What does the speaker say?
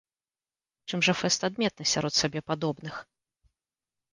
Чым жа фэст адметны сярод сабе падобных?